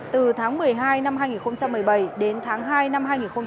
từ tháng một mươi hai năm hai nghìn một mươi bảy đến tháng hai năm hai nghìn một mươi chín